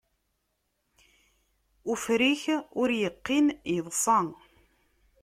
Ufrik ur iqqin, iḍsa.